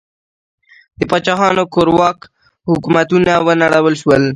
د پاچاهانو کورواک حکومتونه ونړول شول.